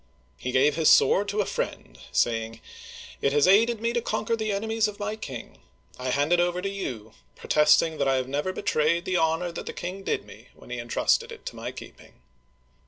He gave his sword to a friend, saying :It has aided me to conquer the enemies of my king. ... I hand it over to you, protesting that I have never betrayed the honor that the king did me when he intrusted it to my keeping."